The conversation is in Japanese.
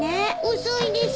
遅いです。